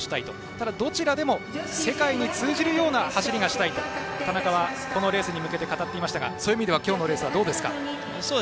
ただ、どちらでも世界に通じるような走りがしたいと田中は、このレースに向けて語っていましたがそういう意味では今日のレースはどうですか？